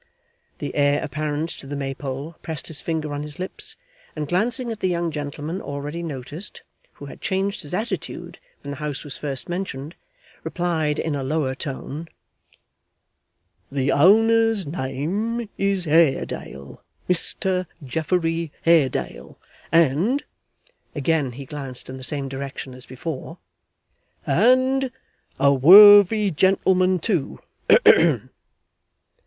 The heir apparent to the Maypole pressed his finger on his lips, and glancing at the young gentleman already noticed, who had changed his attitude when the house was first mentioned, replied in a lower tone: 'The owner's name is Haredale, Mr Geoffrey Haredale, and' again he glanced in the same direction as before 'and a worthy gentleman too hem!